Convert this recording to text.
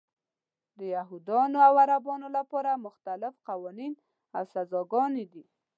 د یهودانو او عربو لپاره مختلف قوانین او سزاګانې دي.